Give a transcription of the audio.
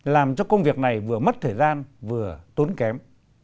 làm cho công việc này vừa mất thời gian vừa tốn kém